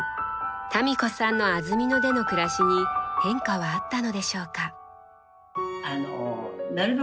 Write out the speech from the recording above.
民子さんの安曇野での暮らしに変化はあったのでしょうか？